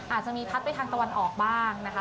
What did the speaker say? อาจจะมีพัดไปทางตะวันออกบ้างนะคะ